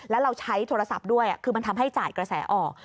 แล้วเราใช้โทรศัพท์ด้วยคือมันทำให้จ่ายกระแสออก